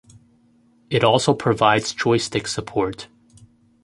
It also provides joystick support.